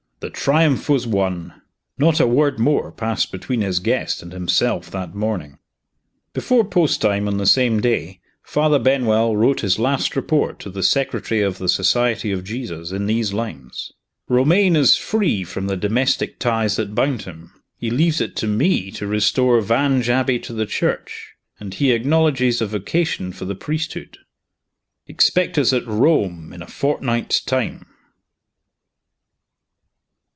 The triumph was won. Not a word more passed between his guest and himself that morning. Before post time, on the same day, Father Benwell wrote his last report to the Secretary of the Society of Jesus, in these lines: "Romayne is free from the domestic ties that bound him. He leaves it to me to restore Vange Abbey to the Church; and he acknowledges a vocation for the priesthood. Expect us at Rome in a fortnight's time."